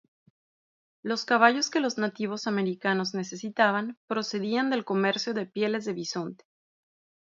Los caballos que los nativos americanos necesitaban procedían del comercio de pieles de bisonte.